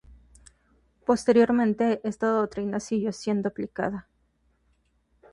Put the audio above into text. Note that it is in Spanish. Posteriormente, esta doctrina siguió siendo aplicada.